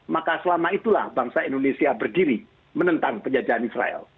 maka selama itulah bangsa indonesia berdiri menentang penjajahan israel